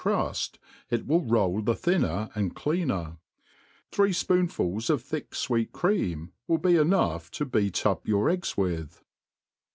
truft^ it will rdl the thinner and cleaner ; three fpooofuis of thick fVreet cream irtrill be, enough to beat up jrour eggi with.